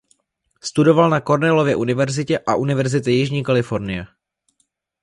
Studoval na Cornellově univerzitě a Univerzitě Jižní Kalifornie.